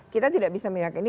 kita tidak bisa mengingatkan ini